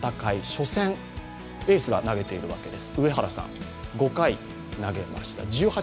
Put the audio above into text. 初戦、エースが投げているわけです